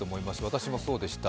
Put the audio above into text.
私もそうでした。